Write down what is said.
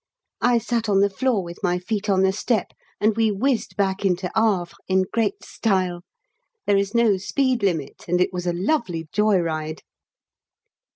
I sat on the floor, with my feet on the step, and we whizzed back into Havre in great style. There is no speed limit, and it was a lovely joy ride!